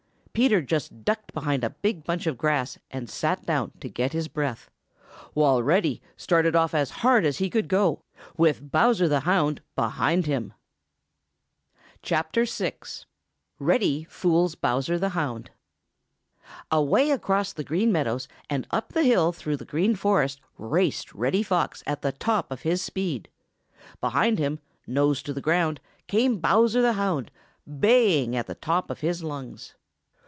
Peter just ducked behind a big bunch of grass and sat down to get his breath, while Reddy started off as hard as he could go, with Bowser the Hound behind him. VI. REDDY FOOLS BOWSER THE HOUND |AWAY across the Green Meadows and up the hill through the Green Forest raced Reddy Fox at the top of his speed. Behind him, nose to the ground, came Bowser the Hound, baying at the top of his lungs.